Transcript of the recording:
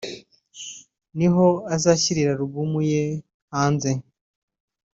niho azashyirira album ye hanze